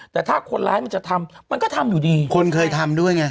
แต่ถ้าคนร้ายมันจะทำมันก็ทำอยู่ดีคนเคยทำด้วยไง